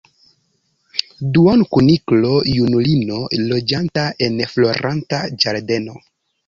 Duonkuniklo-junulino, loĝanta en Floranta Ĝardeno.